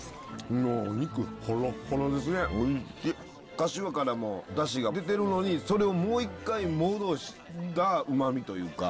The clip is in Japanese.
かしわからも出汁が出てるのにそれをもう一回戻したうまみというか。